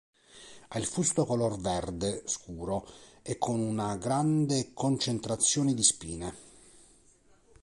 Ha il fusto color verde scuro e con una grande concentrazione di spine.